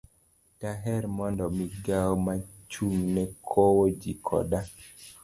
Daher mondo Migawo Mochung'ne Kowo Ji Koda